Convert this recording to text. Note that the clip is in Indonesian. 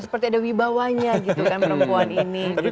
seperti ada wibawanya gitu kan perempuan ini